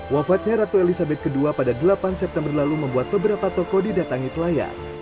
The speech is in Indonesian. wafatnya ratu elizabeth ii pada delapan september lalu membuat beberapa toko didatangi pelayan